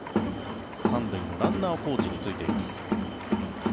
３塁のランナーコーチに就いています。